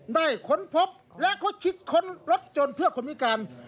ได้ค้นพบและค้นคิดค้นรถโจรเพื่อคนพิการ